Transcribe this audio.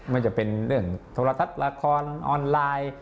มันจะเป็นเรื่องโทรทัศน์ละครออนไลน์